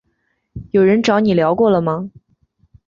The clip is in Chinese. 有人找你聊过了吗？